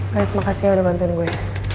pres makasih ya udah bantuin gue